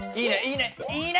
いいね！